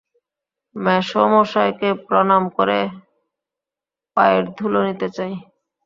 মেসোমশায়কে প্রণাম করে পায়ের ধুলো নিতে চাই ।